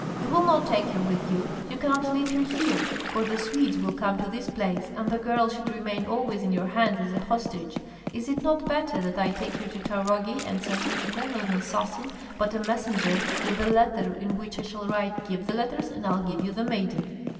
You will not take her with you, you cannot leave her here; for the Swedes will come to this place, and the girl should remain always in our hands as a hostage. Is it not better that I take her to Tanrogi and send Kmita, not an assassin, but a messenger with a letter in which I shall write, 'Give the letters and I'll give you the maiden.'"